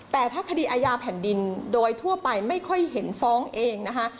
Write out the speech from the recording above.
แต่ถ้าคดีอาญาแผ่นดินโดยทั่วไปไม่ค่อยเห็นฟ้องเองนะคะ